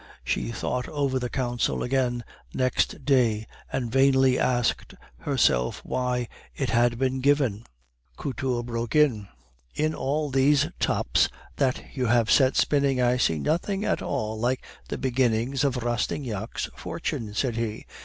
She thought over the counsel again next day, and vainly asked herself why it had been given." Couture broke in. "In all these tops that you have set spinning, I see nothing at all like the beginnings of Rastignac's fortune," said he.